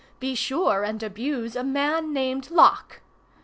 Be sure and abuse a man named Locke.